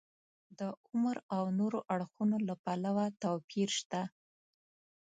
د عمر او نورو اړخونو له پلوه توپیر شته.